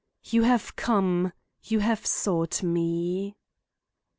"YOU HAVE COME! YOU HAVE SOUGHT ME!"